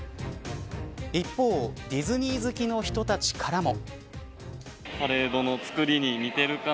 一方ディズニー好きの人たちからも。